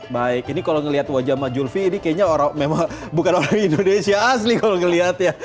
baik ini kalau ngeliat wajah mas zulfi ini kayaknya orang memang bukan orang indonesia asli kalau ngeliat ya